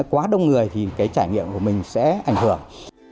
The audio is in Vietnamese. quá đông người thì cái trải nghiệm của mình sẽ ảnh hưởng